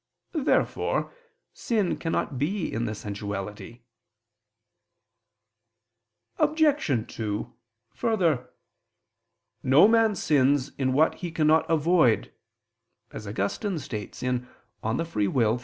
Therefore sin cannot be in the sensuality. Obj. 2: Further, "no man sins in what he cannot avoid," as Augustine states (De Lib. Arb.